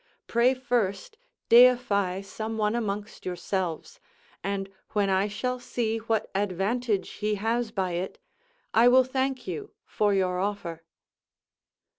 Pray first deify some one amongst yourselves, and when I shall see what advantage he has by it, I will thank you for your offer."